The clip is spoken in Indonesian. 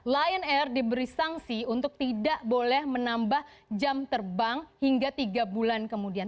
lion air diberi sanksi untuk tidak boleh menambah jam terbang hingga tiga bulan kemudian